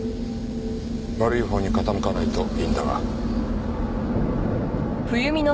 悪いほうに傾かないといいんだが。